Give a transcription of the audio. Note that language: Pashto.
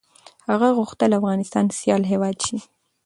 هغه غوښتل افغانستان سيال هېواد شي.